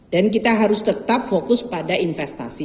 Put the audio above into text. dan kita harus tetap fokus pada investasi